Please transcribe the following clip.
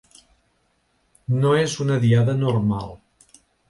No és una Diada normal